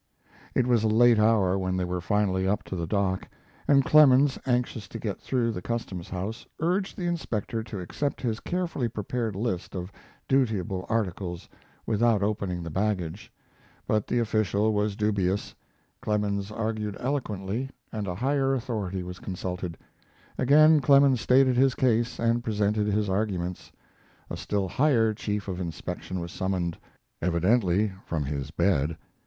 It was a late hour when they were finally up to the dock, and Clemens, anxious to get through the Custom House, urged the inspector to accept his carefully prepared list of dutiable articles, without opening the baggage. But the official was dubious. Clemens argued eloquently, and a higher authority was consulted. Again Clemens stated his case and presented his arguments. A still higher chief of inspection was summoned, evidently from his bed.